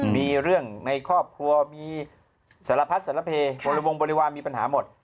มีเรื่องในครอบครัวมีสารพัดสารเพศรวงบริวารมีปัญหาหมด